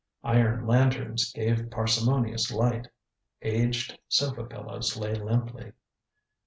Iron lanterns gave parsimonious light. Aged sofa pillows lay limply.